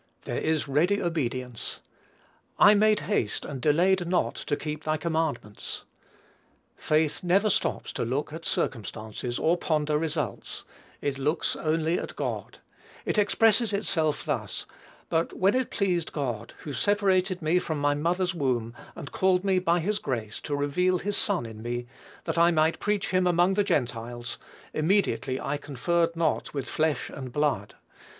There is ready obedience. "I made haste and delayed not to keep thy commandments." Faith never stops to look at circumstances, or ponder results; it only looks at God; it expresses itself thus: "But when it pleased God, who separated me from my mother's womb, and called me by his grace, to reveal his Son in me, that I might preach him among the Gentiles; immediately I conferred not with flesh and blood."